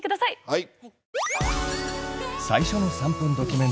はい。